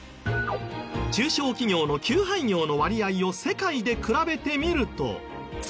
中小企業の休廃業の割合を世界で比べてみると。